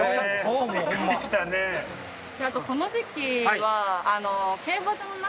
この時期は。